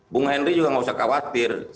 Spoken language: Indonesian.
bung henry juga nggak usah khawatir